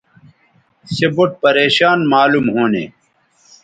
سے بُوٹ پریشان معلوم ھونے